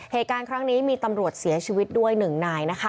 เหตุการณ์ครั้งนี้มีตำรวจเสียชีวิตด้วย๑นายนะคะ